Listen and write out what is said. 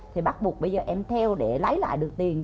thì bắt buộc bây giờ em theo để lấy lại được tiền